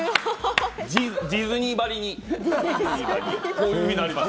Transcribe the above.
ディズニーばりにこういうふうになります。